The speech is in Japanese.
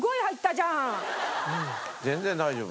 全然大丈夫。